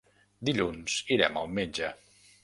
Dilluns irem al metge.